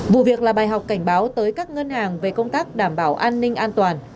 vụ việc là bài học cảnh báo tới các ngân hàng về công tác đảm bảo an ninh an toàn